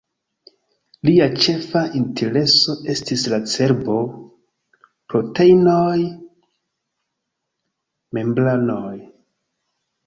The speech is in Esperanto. Lia ĉefa intereso estis la cerbo, proteinoj, membranoj.